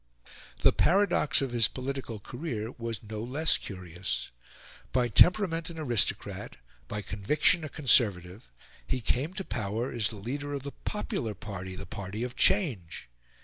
The paradox of his political career was no less curious. By temperament an aristocrat, by conviction a conservative, he came to power as the leader of the popular party, the party of change.